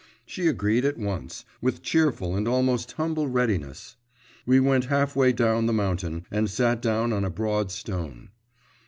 She agreed at once, with cheerful and almost humble readiness. We went half way down the mountain, and sat down on a broad stone.